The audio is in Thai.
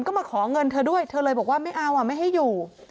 ก็มาขอเงินเธอด้วยเธอเลยบอกว่าไม่เอาอ่ะไม่ให้อยู่